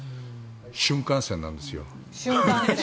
瞬間線なんですよ。